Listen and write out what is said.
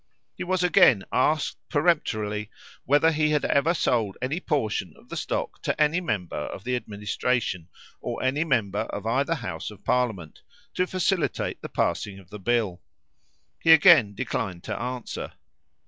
He was again asked peremptorily whether he had ever sold any portion of the stock to any member of the administration, or any member of either House of Parliament, to facilitate the passing of the bill. He again declined to answer.